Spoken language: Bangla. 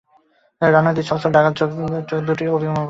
রানুদির ছলছল ডাগর চোখ দুটি অভিমান-ভরা!